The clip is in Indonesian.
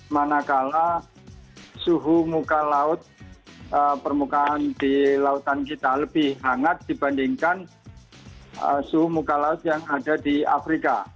manakala suhu muka laut permukaan di lautan kita lebih hangat dibandingkan suhu muka laut yang ada di afrika